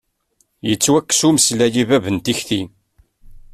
Yettwakkes umeslay i bab n tikti.